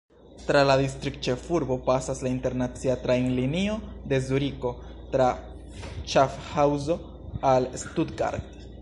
Tra la distriktĉefurbo pasas la internacia trajnlinio de Zuriko tra Ŝafhaŭzo al Stuttgart.